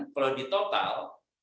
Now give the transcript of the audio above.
kalau di total